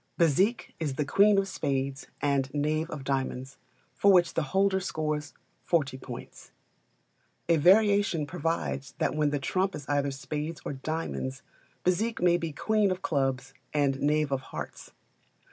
Bezique is the queen of spades and knave of diamonds, for which the holder scores 40 points. A variation provides that when the trump is either spades or diamonds, Bezique may be queen of clubs and knave of hearts.